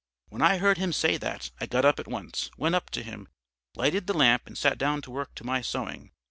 "When I heard him say that, I got up at once, went up to him, lighted the lamp and sat down to work to my sewing.